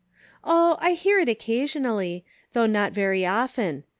" Oh ! I hear it occasionally ; though not very often.